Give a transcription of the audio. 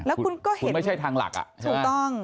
แล้วคุณก็เห็นคุณไม่ใช่ทางหลักอ่ะใช่ไหมถูกต้อง